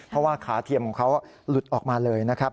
เพราะว่าขาเทียมของเขาหลุดออกมาเลยนะครับ